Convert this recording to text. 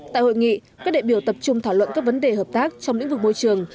tại hội nghị các đại biểu tập trung thảo luận các vấn đề hợp tác trong lĩnh vực môi trường